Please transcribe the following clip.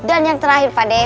dan yang terakhir pak de